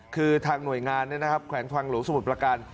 คือทางหน่วยงานแขวงทางหลวงสมุทรประการ